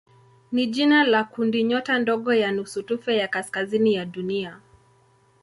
ni jina la kundinyota ndogo ya nusutufe ya kaskazini ya Dunia.